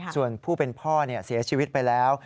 ส่วนผู้เป็นพ่อเสียชีวิตไปแล้ว